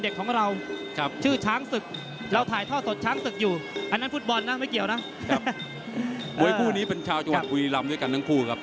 ข่าวสารเหนือภายในปลาแล็น